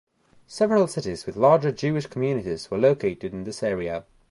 Several cities with larger Jewish communities were located in this area.